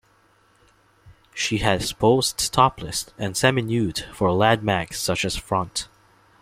She has posed topless and semi-nude for lad mags such as "Front".